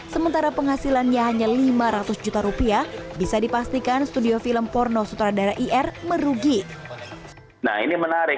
sementara penghasilannya hanya lima ratus juta rupiah bisa dipastikan studio film porno sutradara ir merugi